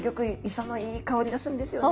磯のいい香りがするんですよね。